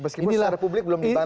meskipun secara publik belum dibantu